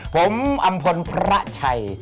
ผมอัมพลประชัย